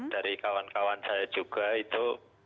dari kawan kawan saya juga itu